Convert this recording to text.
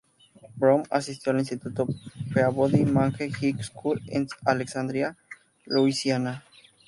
Brown asistió al instituto "Peabody Magnet High School" en Alexandria, Louisiana.